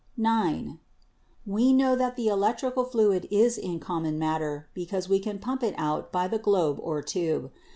"(9) We know that the electrical fluid is in common matter because we can pump it out by the globe or tube.